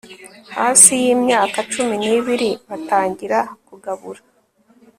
hasi yimyaka cumi nibiri Batangira kugabura